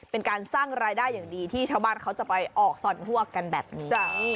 เป็นการสร้างรายได้อย่างดีที่ชาวบ้านเขาจะไปออกส่อนฮวกกันแบบนี้